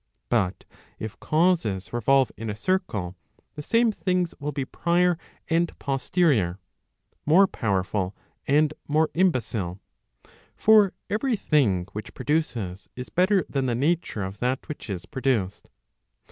1 But if causes revolve in a circle, the same things will be prior and posterior, more powerful and more imbecil. For every thing which produces is better than the nature of that which is produced.